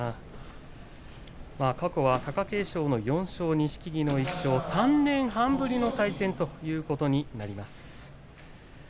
過去は貴景勝の４勝錦木の１勝３年半ぶりの対戦になります。